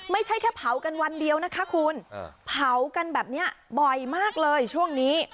ไม่ใช่แค่เผากันวันเดียวนะคะคุณเผากันแบบนี้บ่อยมากเลยช่วงนี้